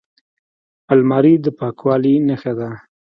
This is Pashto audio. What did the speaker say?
الماري د پاکوالي نښه ده